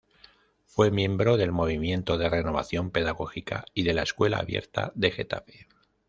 Fue miembro del Movimiento de Renovación Pedagógica, y de la Escuela Abierta de Getafe.